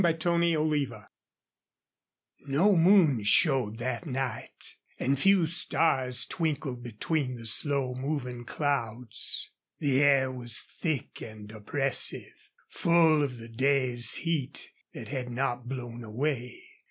CHAPTER XVI No moon showed that night, and few stars twinkled between the slow moving clouds. The air was thick and oppressive, full of the day's heat that had not blown away.